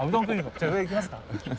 じゃ上行きますか。